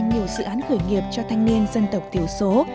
nhiều dự án khởi nghiệp cho thanh niên dân tộc thiểu số